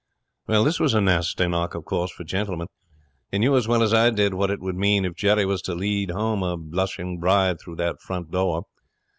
'Well, this was a nasty knock, of course, for Gentleman. He knew as well as I did what it would mean if Jerry was to lead home a blushing bride through that front door.